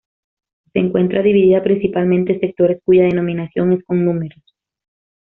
Se encuentra divida principalmente en sectores cuya denominación es con números.